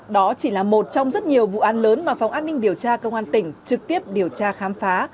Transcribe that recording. đó chỉ là một trong rất nhiều vụ án lớn mà phòng an ninh điều tra công an tỉnh trực tiếp điều tra khám phá